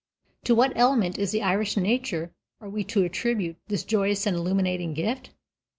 To what element in the Irish nature are we to attribute this joyous and illuminating gift?